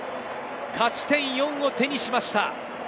勝ち点４を手にしました。